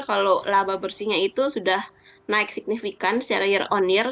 kalau laba bersihnya itu sudah naik signifikan secara year on year